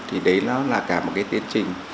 thì đấy nó là cả một cái tiến trình